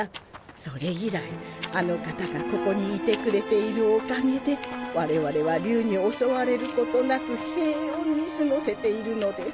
それ以来あの方がここにいてくれているおかげで我々は竜に襲われることなく平穏に過ごせているのです。